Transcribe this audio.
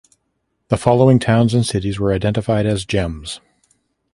The following towns and cities were identified as "gems".